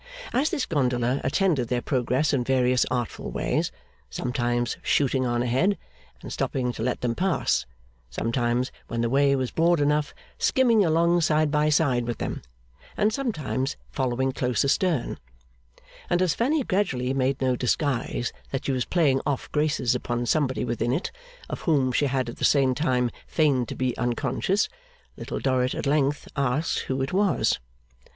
As this gondola attended their progress in various artful ways; sometimes shooting on a head, and stopping to let them pass; sometimes, when the way was broad enough, skimming along side by side with them; and sometimes following close astern; and as Fanny gradually made no disguise that she was playing off graces upon somebody within it, of whom she at the same time feigned to be unconscious; Little Dorrit at length asked who it was?